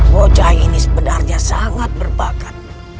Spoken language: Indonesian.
bocah ini sebenarnya sangat berbakat